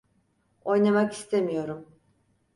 Oynamak istemiyorum.